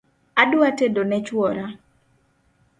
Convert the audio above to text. Adwa tedo ne chwora